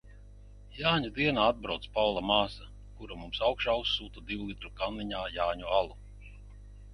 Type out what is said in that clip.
Jāņu dienā atbrauc Paula māsa, kura mums augšā uzsūta divlitru kanniņā Jāņu alu.